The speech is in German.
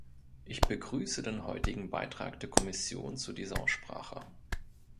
Ich begrüße den heutigen Beitrag der Kommission zu dieser Aussprache.